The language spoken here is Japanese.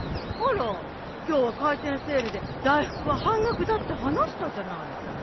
あら今日は開店セールで大福が半額だって話したじゃない。